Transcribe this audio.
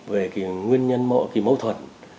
về nguyên nhân mẫu thuật